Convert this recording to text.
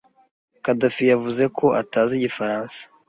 Khadafi yavuze ko atazi Igifaransa.